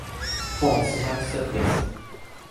ฟอร์ท สมาร์ท เซอร์วิส